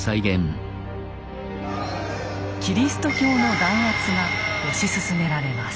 キリスト教の弾圧が推し進められます。